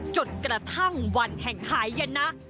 จนกระทั่งวันแห่งหายนะ